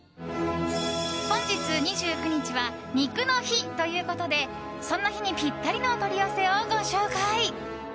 本日２９日は肉の日ということでそんな日にぴったりのお取り寄せをご紹介。